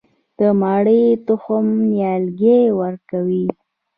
د مڼې تخم نیالګی ورکوي؟